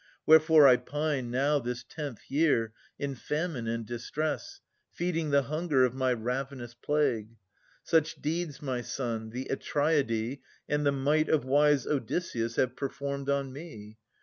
Wherefore I pine Now this tenth year, in famine and distress, Feeding the hunger of my ravenous plague. Such deeds, my son, the Atreidae, and the might Of wise Odysseus, have performed on me.